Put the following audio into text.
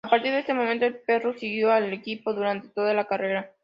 A partir de ese momento, el perro siguió al equipo durante toda la carrera.